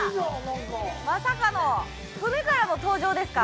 まさかの船からの登場ですか？